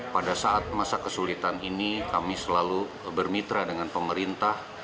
pada saat masa kesulitan ini kami selalu bermitra dengan pemerintah